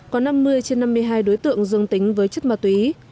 có năm mươi trên năm mươi hai đối tượng dương tính với chất ma túy